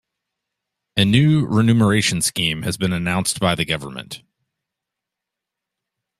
A new renumeration scheme has been announced by the government.